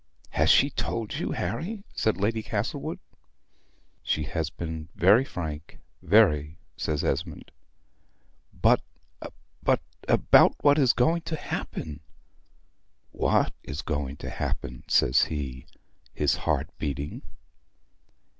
"Has she told you, Harry?" Lady Castlewood said. "She has been very frank very," says Esmond. "But but about what is going to happen?" "What is going to happen?" says he, his heart beating.